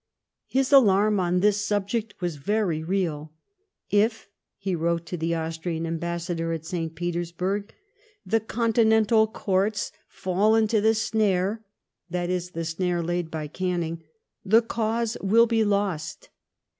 His alarm on this subject was very real. " If," he wrote to the Austrian Ambassador at St. Petersbui g, *' the Continental courts fall into the snare "— that is the snare laid by Canning —" the cause will be lost."